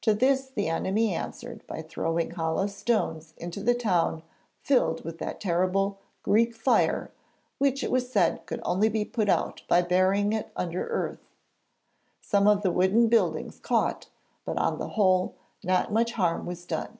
To this the enemy answered by throwing hollow stones into the town filled with that terrible Greek fire which it was said could only be put out by burying it under earth. Some of the wooden buildings caught, but on the whole, not much harm was done.